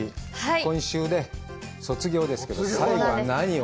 今週で卒業ですけど、最後は何を？